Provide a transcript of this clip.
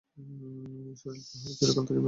শরীর কাহারও চিরকাল থাকিবে না।